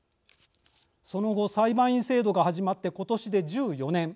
その後裁判員制度が始まって今年で１４年。